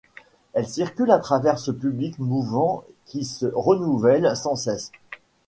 Elle circule à travers ce public mouvant qui se renouvelle sans cesse.